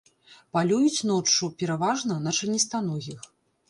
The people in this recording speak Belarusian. Палююць ноччу, пераважна, на членістаногіх.